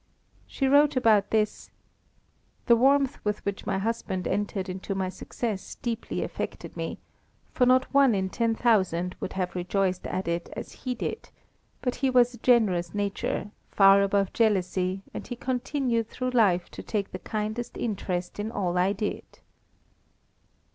She wrote about this, "The warmth with which my husband entered into my success deeply affected me; for not one in ten thousand would have rejoiced at it as he did; but he was of a generous nature, far above jealousy, and he continued through life to take the kindest interest in all I did."